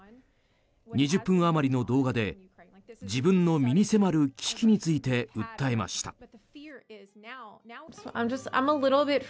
２０分あまりの動画で自分の身に迫る危機について訴えました。